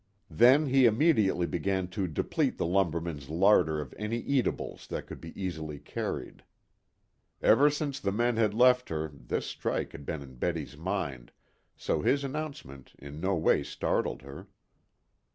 Then he immediately began to deplete the lumberman's larder of any eatables that could be easily carried. Ever since the men had left her this strike had been in Betty's mind, so his announcement in no way startled her.